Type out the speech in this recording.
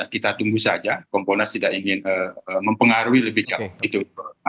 kita tunggu saja komponas tidak ingin mempengaruhi lebih jauh itu